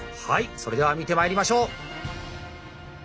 それでは見てまいりましょう！